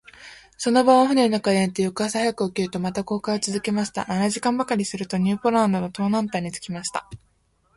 その晩は舟の中で寝て、翌朝早く起きると、また航海をつづけました。七時間ばかりすると、ニューポランドの東南端に着きました。